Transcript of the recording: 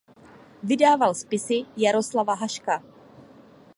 Vydával spisy Jaroslava Haška.